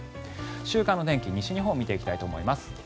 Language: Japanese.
週間の天気、西日本を見ていきたいと思います。